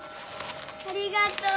ありがとう。